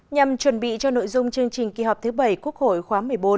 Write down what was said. nhằm chuẩn bị cho nội dung chương trình kỳ họp thứ bảy quốc hội khóa một mươi bốn